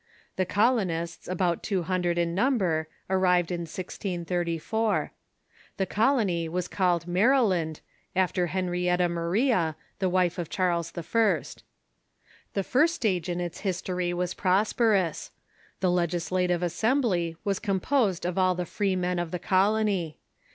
The colonists, about tAvo hundred in number, arrived in 1G34. The colony was called Maryland, after Hen rietta Maria, the wife of Charles L The first stage in its his tory was prosperous. The legislative assembly was composed of all the freemen of the colony.